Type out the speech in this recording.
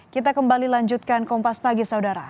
kita kembali lanjutkan kompas pagi saudara